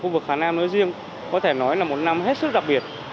phản án nói riêng có thể nói là một năm hết sức đặc biệt